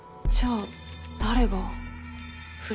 じゃあ誰が？